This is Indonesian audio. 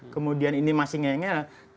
kemudian ini masih nge ngel